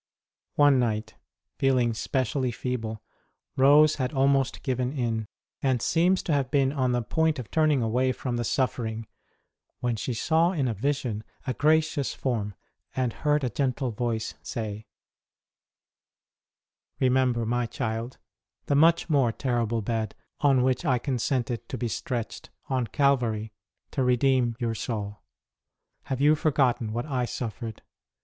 One night, feeling specially feeble, Rose had almost given in, and seems to have been on the point of turning away from the suffering, when she saw in a vision a gracious Form, and heard a gentle Voice say : Remember, My child, the much more terrible bed whereon I consented to be stretched, on Calvary, to redeem your soul ! Have you for gotten what I suffered